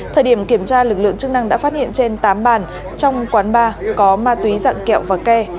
thời điểm kiểm tra lực lượng chức năng đã phát hiện trên tám bàn trong quán bar có ma túy dạng kẹo và ke